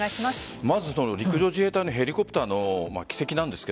まず陸上自衛隊のヘリコプターの軌跡なんですが。